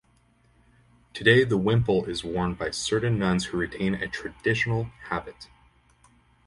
Today the wimple is worn by certain nuns who retain a traditional habit.